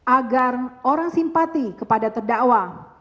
agar orang simpati kepada terdakwa